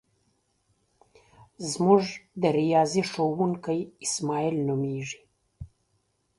زمونږ د ریاضی ښوونکی اسماعیل نومیږي.